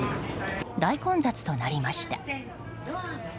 大混雑となりました。